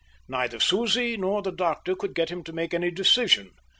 Neither Susie nor the doctor could get him to make any decision.